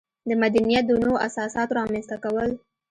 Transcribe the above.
د مدنیت د نویو اساساتو رامنځته کول.